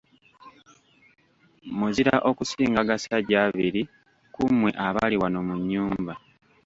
Muzira okusinga agasajja abiri ku mmwe abali wano mu nnyumba.